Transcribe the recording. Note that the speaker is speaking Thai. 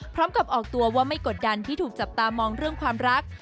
พร้อมกับออกตัวว่าไม่กดดันที่ถูกจับตามองเรื่องความรัก